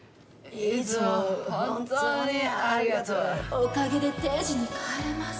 おかげで定時に帰れます。